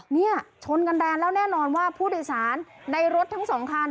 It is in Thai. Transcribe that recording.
เนี่ยชนกันแรงแล้วแน่นอนว่าผู้โดยสารในรถทั้งสองคัน